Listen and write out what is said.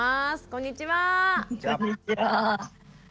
こんにちは。